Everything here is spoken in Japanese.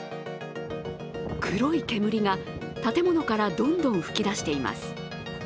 黒い煙が建物からどんどん噴き出しています